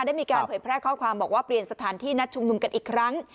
ได้มีการเผยแพร่ข้อความบอกว่าเปลี่ยนสถานที่นัดชุมนุมกันอีกครั้ง